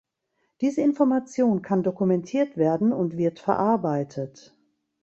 Diese Information kann dokumentiert werden und wird verarbeitet.